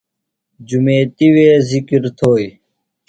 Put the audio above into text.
جُمیتیۡ وے ذکِر تھوئی